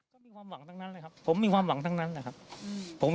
ก็มีความหวังทั้งนั้นเลยครับผมมีความหวังทั้งนั้นแหละครับ